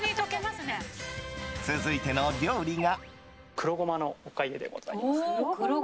続いての料理が。